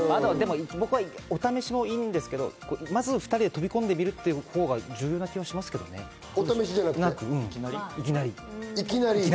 お試しもいいんですけど、まず２人で飛び込んでみるというほうが重要な気もしますけどね、いきなり。